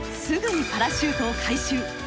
すぐにパラシュートを回収。